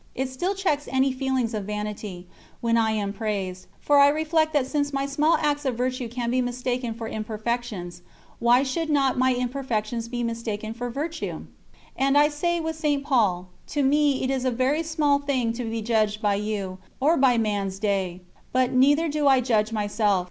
It still checks any feelings of vanity, when I am praised, for I reflect that since my small acts of virtue can be mistaken for imperfections, why should not my imperfections be mistaken for virtue? And I say with St. Paul: "To me it is a very small thing to be judged by you, or by man's day. But neither do I judge myself.